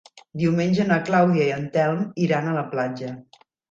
Diumenge na Clàudia i en Telm iran a la platja.